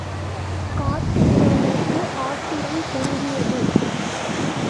காத்திருந்தவளுக்கு ஆத்திரம் பொங்கியது!